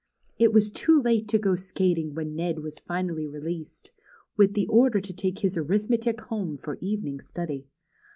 It was too late to go skating when Ned Avas finally released, Avith the order to take his arithmetic home for evening study.